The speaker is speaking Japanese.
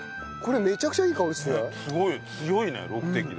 すごい強いね６滴で。